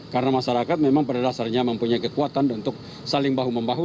karena masyarakat memang pada dasarnya mempunyai kekuatan untuk saling bahu membahu